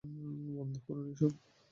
বন্ধ করুন এসব।